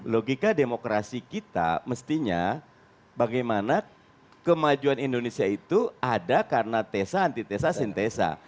logika demokrasi kita mestinya bagaimana kemajuan indonesia itu ada karena tesa antitesa sintesa